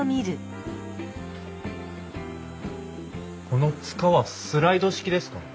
このつかはスライド式ですか？